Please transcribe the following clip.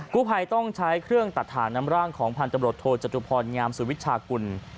ผู้ภัยต้องใช้เครื่องตัดถ่างนำร่างของพันธบรวจโทจตุพรงามสุวิชากุล